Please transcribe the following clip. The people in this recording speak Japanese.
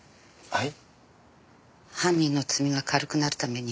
はい。